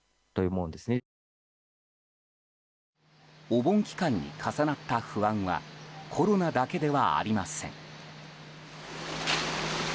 お盆期間に重なった不安はコロナだけではありません。